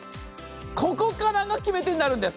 ここからが決め手になるんです。